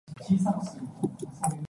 苦過弟弟